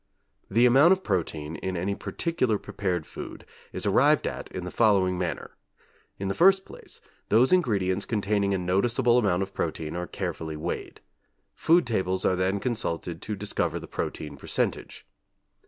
The amount of protein in any particular prepared food is arrived at in the following manner: In the first place those ingredients containing a noticeable amount of protein are carefully weighed. Food tables are then consulted to discover the protein percentage.